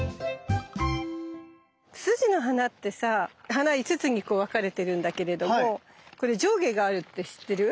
ツツジの花ってさ花５つに分かれてるんだけれどもこれ上下があるって知ってる？